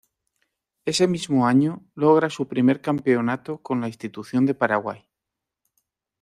Ese mismo año logra su primer campeonato con la institución de Paraguay.